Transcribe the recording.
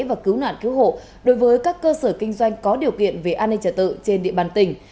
và cứu nạn cứu hộ đối với các cơ sở kinh doanh có điều kiện về an ninh trả tự trên địa bàn tỉnh